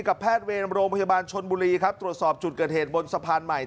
แพทย์เวรโรงพยาบาลชนบุรีครับตรวจสอบจุดเกิดเหตุบนสะพานใหม่